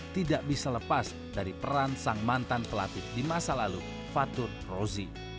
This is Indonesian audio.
tidak bisa lepas dari peran sang mantan pelatih di masa lalu fatur rozi